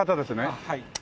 はい。